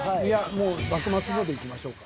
もう「幕末の」でいきましょうか。